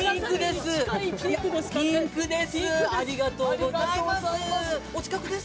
ありがとうございます。